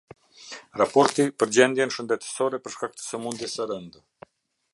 Raporti për gjendjen shëndetësore për shkak të sëmundjes së rëndë.